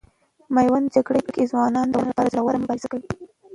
میوند جګړې کې ځوانان د وطن لپاره زړه ور مبارزه کوي.